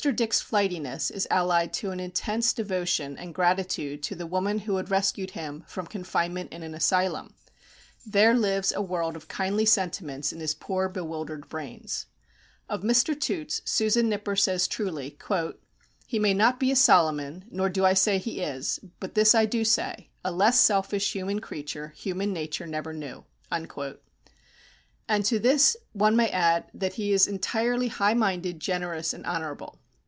Dick's flightiness is allied to an intense devotion and gratitude to the woman who had rescued him from confinement in an asylum; there lives a world of kindly sentiments in his poor bewildered brains. Of Mr. Toots, Susan Nipper says truly, "he may not be a Solomon, nor do I say he is, but this I do say, a less selfish human creature human nature never knew." And to this one may add that he is entirely high minded, generous, and honourable.